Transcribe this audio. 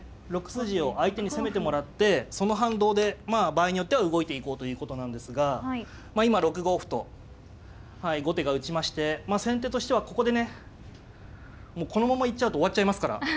６筋を相手に攻めてもらってその反動でまあ場合によっては動いていこうということなんですが今６五歩と後手が打ちまして先手としてはここでねもうこのまま行っちゃうと終わっちゃいますから。